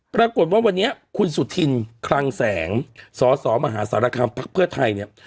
ปรากฏว่าวันนี้คุณสุธินคลังแสงสสมหาสารคามพักเพื่อไทยเนี่ย